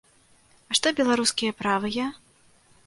А што беларускія правыя?